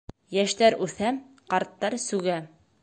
Йәштәр үҫә, ҡарттар сүгә.